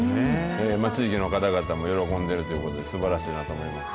地域の方々も喜んでるということで、すばらしいなと思いましたね。